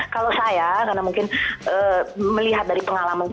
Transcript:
kalau saya karena mungkin melihat dari pengalaman saya